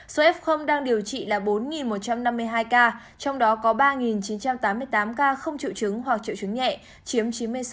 số f đang điều trị là bốn một trăm năm mươi hai ca trong đó có ba chín trăm tám mươi tám ca không triệu chứng hoặc triệu chứng nhẹ chiếm chín mươi sáu sáu